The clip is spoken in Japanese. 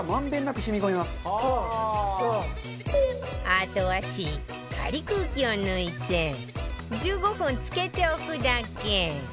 あとはしっかり空気を抜いて１５分漬けておくだけ